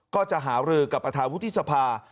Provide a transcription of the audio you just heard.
ก็จะหารือกับประธานวุฒิสภา